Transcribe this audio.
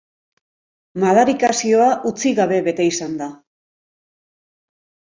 Madarikazioa hutsik gabe bete izan da.